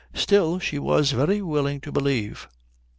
Still, she was very willing to believe.